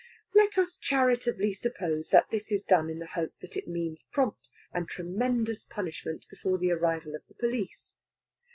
Let us charitably suppose that this is done in the hope that it means prompt and tremendous punishment before the arrival of the police.